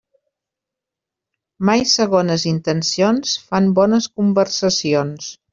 Mai segones intencions fan bones conversacions.